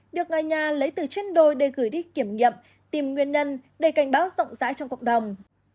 được ngài nhà lấy từ trên đôi để gửi đi kiểm nghiệm tìm nguyên nhân để cảnh báo rộng rãi trong cộng đồng